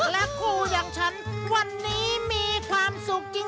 และคู่อย่างฉันวันนี้มีความสุขจริง